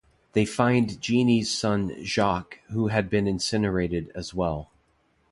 They find Jeanne's son Jacques who had been incarcerated as well.